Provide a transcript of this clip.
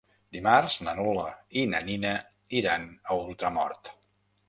Dimarts na Lola i na Nina iran a Ultramort.